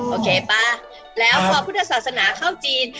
โอเคป่ะแล้วพอพุทธศาสนาเข้าจีน